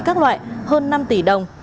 các loại hơn năm tỷ đồng